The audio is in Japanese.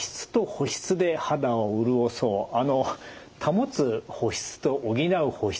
保つ保湿と補う補湿。